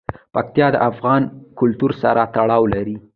پکتیا د افغان کلتور سره تړاو لري.